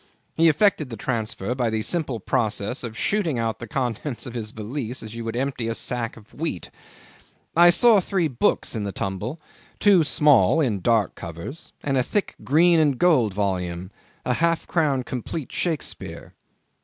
He effected the transfer by the simple process of shooting out the contents of his valise as you would empty a sack of wheat. I saw three books in the tumble; two small, in dark covers, and a thick green and gold volume a half crown complete Shakespeare.